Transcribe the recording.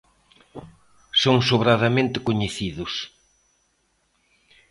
Son sobradamente coñecidos.